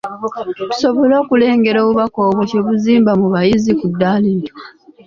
Tusobole okulengera obubaka obwo kye buzimba mu bayizi ku ddaala eryo.